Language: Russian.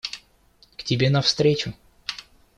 К тебе навстречу.